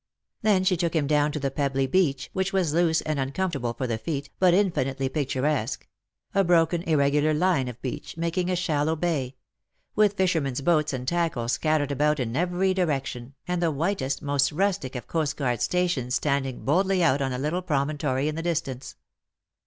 Then she took him down to the pebbly beach, which was loose and uncomfort able for the feet, but infinitely picturesque — a broken irregular line of beach, making a shallow bay — with fishermen's boats and tackle scattered about in every direction, and the whitest, most rustic of coastguard stations standing boldly out on a little promontory in the distance.